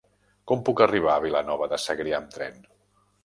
Com puc arribar a Vilanova de Segrià amb tren?